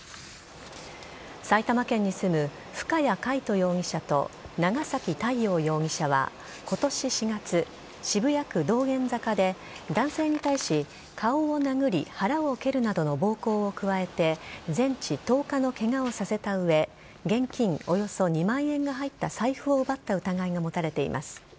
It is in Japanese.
埼玉県に住む深谷海斗容疑者と長崎太陽容疑者は今年４月、渋谷区道玄坂で男性に対し、顔を殴り腹を蹴るなどの暴行を加えて全治１０日のケガをさせた上現金およそ２万円が入った財布を奪った疑いが持たれています。